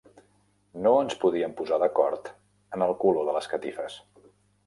No ens podíem posar d'acord en el color de les catifes.